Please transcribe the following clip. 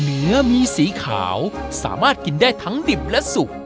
เนื้อมีสีขาวสามารถกินได้ทั้งดิบและสุก